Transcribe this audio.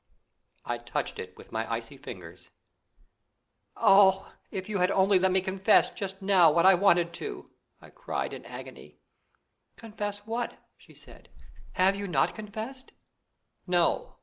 I touched it with my icy fingers. "Oh! if you had only let me confess just now what I wanted to!" I cried in agony. "Confess what?" she said. "Have you not confessed?" "No!